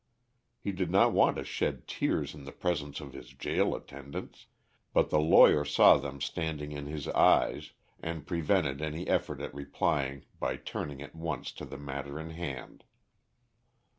He did not want to shed tears in the presence of his jail attendants, but the lawyer saw them standing in his eyes, and prevented any effort at replying by turning at once to the matter in hand.